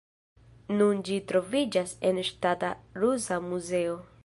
Nun ĝi troviĝas en Ŝtata Rusa Muzeo.